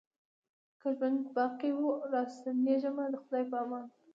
که ژوند باقي وو را ستنېږمه د خدای په امان